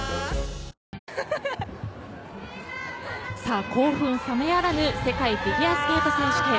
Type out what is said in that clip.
あ興奮冷めやらぬ世界フィギュアスケート選手権。